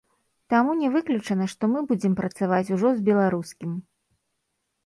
Таму не выключана, што мы будзем працаваць ужо з беларускім.